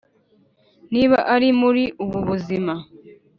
Niba ari muri ubu buzima